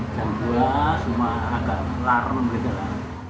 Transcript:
jam dua semua agak larut agak reda